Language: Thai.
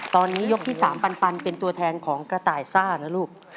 ตอนนี้ยกที่๓ปันเป็นตัวแทนของกระต่ายซ่านะลูก